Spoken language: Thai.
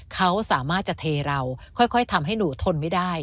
เขาสามารถจะเทเราค่อยทำให้หนูทนไม่ได้